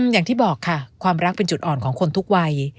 อย่างที่บอกค่ะความรักเป็นจุดอ่อนของคนทุกวัย